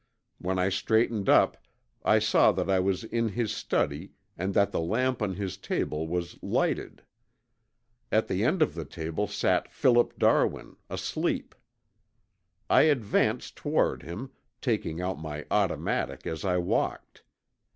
When I straightened up I saw that I was in his study and that the lamp on his table was lighted. At the head of the table sat Philip Darwin asleep. I advanced toward him, taking out my automatic as I walked.